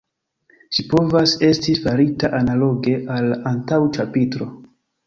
Ĝi povas esti farita analoge al la antaŭ ĉapitro.